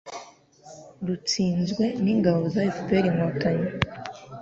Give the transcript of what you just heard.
rutsinzwe n'ingabo za FPR-Inkotanyi